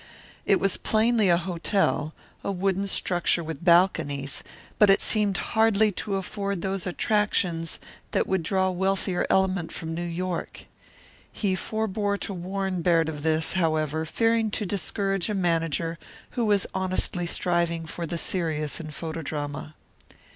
It was plainly a hotel, a wooden structure with balconies; but it seemed hardly to afford those attractions that would draw wealthier element from New York. He forebore to warn Baird of this, however, fearing to discourage a manager who was honestly striving for the serious in photodrama.